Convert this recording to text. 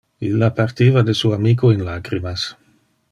Illa partiva de su amico in lacrimas.